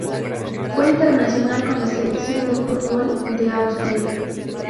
Fue internacional con la selección de fútbol de Austria.